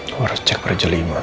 aku harus cek perjelimah